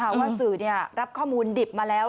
ว่าสื่อรับข้อมูลดิบมาแล้ว